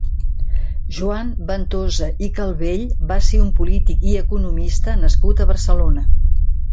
Joan Ventosa i Calvell va ser un polític i economista nascut a Barcelona.